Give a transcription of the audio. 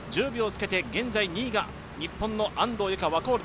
１０秒つけて現在２位が日本の安藤友香。